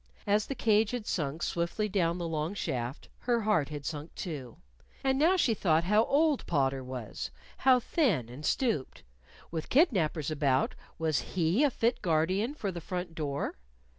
As the cage had sunk swiftly down the long shaft, her heart had sunk, too. And now she thought how old Potter was; how thin and stooped. With kidnapers about, was he a fit guardian for the front door?